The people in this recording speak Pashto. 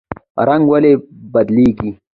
رنګ ولې بدلیږي؟